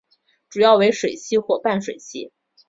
主要为水栖或半水栖。